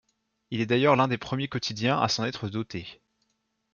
Il est d'ailleurs l'un des premiers quotidiens à s'en être doté.